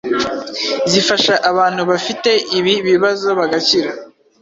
zifasha abantu bafite ibi bibazo bagakira